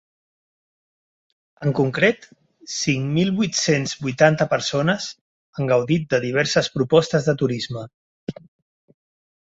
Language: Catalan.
En concret, cinc mil vuit-cents vuitanta persones han gaudit de diverses propostes de turisme.